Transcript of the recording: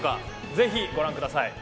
ぜひご覧ください。